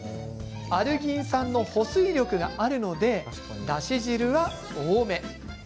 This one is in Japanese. アルギン酸の保水力があるのでだし汁は多め。